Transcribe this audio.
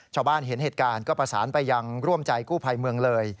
ชาวบ้านเห็นเหตุการณ์ก็ประสานไปยังร่วมใจกู้ภัยเมืองเลย